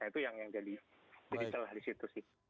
nah itu yang jadi celah di situ sih